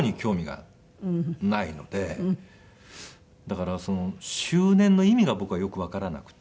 だから周年の意味が僕はよくわからなくて。